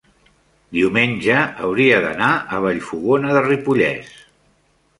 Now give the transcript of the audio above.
diumenge hauria d'anar a Vallfogona de Ripollès.